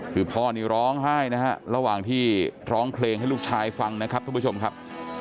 คือพ่อนี่ร้องไห้นะฮะระหว่างที่ร้องเพลงให้ลูกชายฟังนะครับทุกผู้ชมครับ